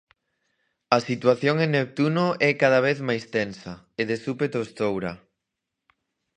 A situación en Neptuno é cada vez máis tensa, e de súpeto estoura.